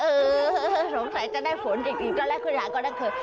เออสงสัยจะได้ฝนอีกตอนแรกคุณหลายก็น่าเคย